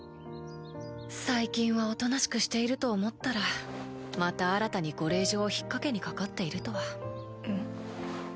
最近はおとなしくしていると思ったらまた新たにご令嬢を引っ掛けにかかっているとは。